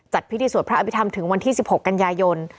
จัดพิธีสวัสดิ์พระอบิธรรมถึงวันที่๑๖กันยายน